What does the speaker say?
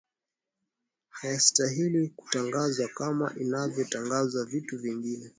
hayastahili kutangazwa kama inavyo tangazwa vitu vingine